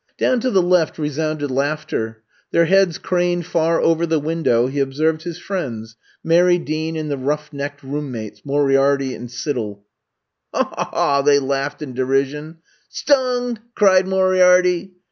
Down to the left resounded laughter. Their heads craned far over the window, lie observed his friends, Mary Dean and the rough necked roommates, Moriarity and Siddell. '* Haw 1 Haw 1 Haw 1 they laughed in derison. Stung !'' cried Moriarity.